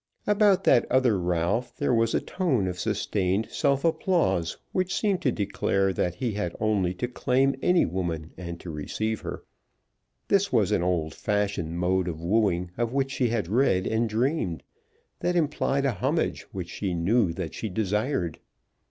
About that other Ralph there was a tone of sustained self applause, which seemed to declare that he had only to claim any woman and to receive her. There was an old fashioned mode of wooing of which she had read and dreamed, that implied a homage which she knew that she desired.